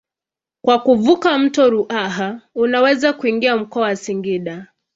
Kwa kuvuka mto Ruaha unaweza kuingia mkoa wa Singida.